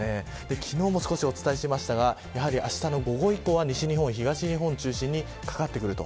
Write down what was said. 昨日もお伝えしましたがあしたの午後以降西日本、東日本を中心にかかってきます。